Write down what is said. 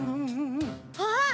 あっ！